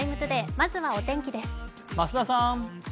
まずはお天気です。